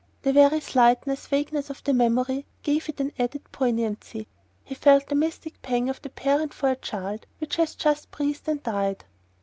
The very slightness, vagueness, of the memory gave it an added poignancy. He felt the mystic pang of the parent for a child which has just breathed and died.